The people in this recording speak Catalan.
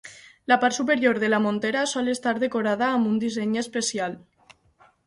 La part superior de la montera sol estar decorada amb un disseny especial.